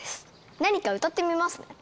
何か歌ってみます。